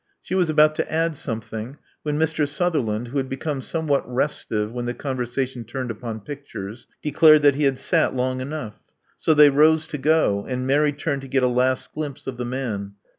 She was about to add something, when Mr. Sutherland, who had become somewhat restive when the conversa tion turned upon pictures, declared that he had sat long enough. So they rose to go ; and Mary turned to get a last glimpse of the man.